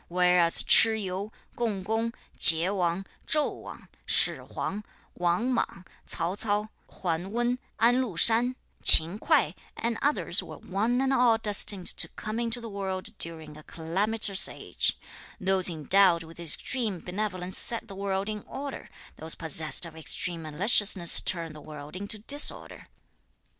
Whereas Ch'i Yu, Kung Kung, Chieh Wang, Chou Wang, Shih Huang, Wang Mang, Tsao Ts'ao, Wen Wen, An Hu shan, Ch'in Kuei and others were one and all destined to come into the world during a calamitous age. Those endowed with extreme benevolence set the world in order; those possessed of extreme maliciousness turn the world into disorder.